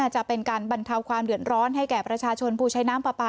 จะเป็นการบรรเทาความเดือดร้อนให้แก่ประชาชนผู้ใช้น้ำปลาปลา